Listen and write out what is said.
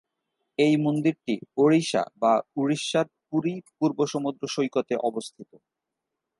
এই মন্দিরটি ওড়িশা বা উড়িষ্যার পুরী পূর্ব সমুদ্র সৈকতে অবস্থিত।